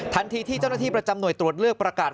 ทันทีที่เจ้าหน้าที่ประจำหน่วยตรวจเลือกประกาศ